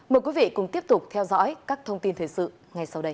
mời quý vị cùng tiếp tục theo dõi các thông tin thời sự ngay sau đây